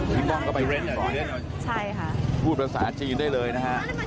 พี่ป้องก็ไปพบพูดภาษาจีนได้เลยนะฮะ